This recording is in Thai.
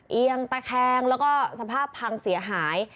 เอียงตะแคงแล้วก็สภาพพังเสียหาย